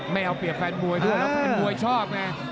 ไม่เอาเปรียบแฟนมวยด้วยแล้วแฟนมวยชอบไง